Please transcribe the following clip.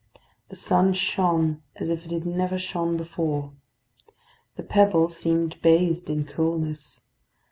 The sun shone as if it had never shone before. The pebbles seemed bathed in coolness.